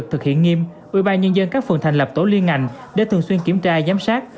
thực hiện nghiêm ủy ban nhân dân các phường thành lập tổ liên ngành để thường xuyên kiểm tra giám sát